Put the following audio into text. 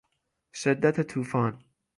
شدت توفان